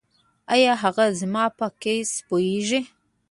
ایا هغه زما په کیس پوهیږي؟